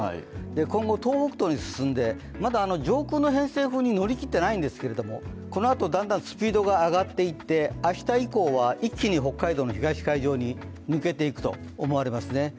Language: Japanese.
今後、東北東に進んで、まだ上空の偏西風に乗りきっていないんですけれどもこのあとだんだんスピードが上がっていって明日以降は一気に北海道の東海上に抜けていくと思われますね。